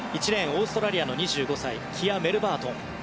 オーストラリアの２５歳キア・メルバートン。